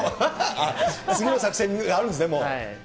次の作戦あるんですね、もう。